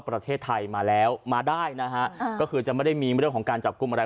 ประเทศไทยมาแล้วมาได้นะฮะก็คือจะไม่ได้มีเรื่องของการจับกลุ่มอะไร